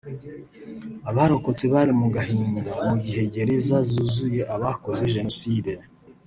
abarokotse bari mu gahinda mu gihe gereza zuzuye abakoze Jenoside